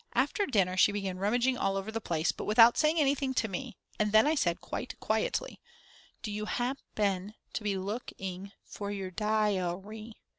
After dinner she began rummaging all over the place, but without saying anything to me, and then I said quite quietly: "Do you hap pen to be look ing for your di ar y?